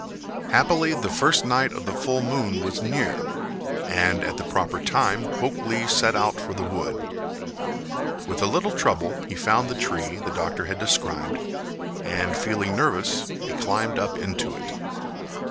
Happily the first night of the full moon was near, and at the proper time Hok Lee set out for the wood. With a little trouble he found the tree the doctor had described, and feeling nervous he climbed up into it.